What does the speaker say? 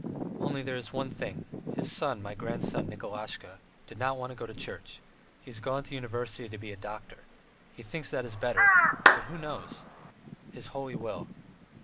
Only there is one thing: his son, my grandson Nikolasha, did not want to go into the Church; he has gone to the university to be a doctor. He thinks it is better; but who knows! His Holy Will!"